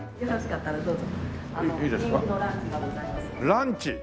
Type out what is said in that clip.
ランチ。